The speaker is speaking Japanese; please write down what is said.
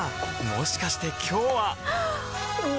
もしかして今日ははっ！